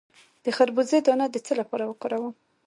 د خربوزې دانه د څه لپاره وکاروم؟